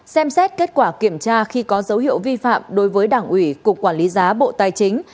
xem xét kết quả kiểm tra khi có dấu hiệu vi phạm đối với đảng ủy cục quản lý giá bộ tài chính